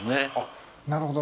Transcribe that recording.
なるほど。